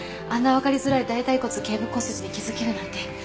あんな分かりづらい大腿骨頸部骨折に気付けるなんて。